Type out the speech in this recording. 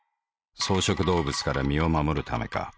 草食動物から身を護るためか。